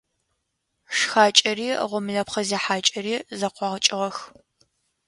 Шхакӏэри гъомлэпхъэ зехьакӏэри зэхъокӏыгъэх.